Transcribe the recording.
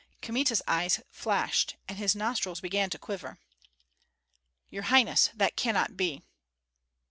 Kmita's eyes flashed, and his nostrils began to quiver. "Your highness, that cannot be!"